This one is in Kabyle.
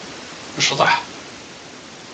Necḍeḥ.